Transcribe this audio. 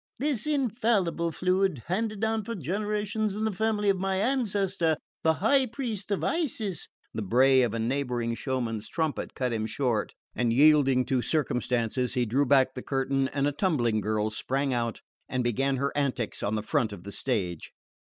This infallible fluid, handed down for generations in the family of my ancestor, the High Priest of Isis " The bray of a neighbouring show man's trumpet cut him short, and yielding to circumstances he drew back the curtain, and a tumbling girl sprang out and began her antics on the front of the stage.